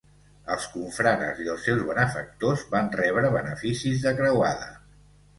Els confrares i els seus benefactors van rebre beneficis de creuada.